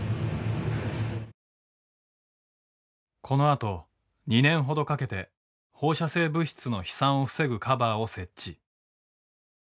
このあと２年ほどかけて放射性物質の飛散を防ぐカバーを設置。